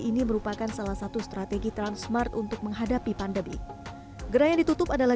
ini merupakan salah satu strategi transmart untuk menghadapi pandemi gerai yang ditutup adalah